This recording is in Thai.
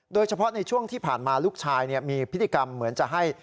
โดยเฉพาะในช่วงที่ผ่านมาลูกชายมีพฤติกรรมเหมือนจะให้